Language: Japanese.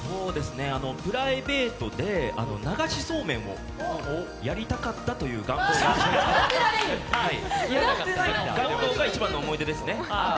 プライベートで流しそうめんをやりたかったという願望が一番の思い出ですね。